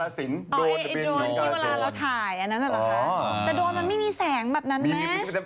แต่โดรนมันไม่มีแสงแบบนั้นแม้